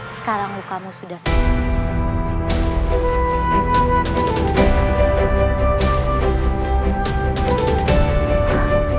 sekarang lukamu sudah sembuh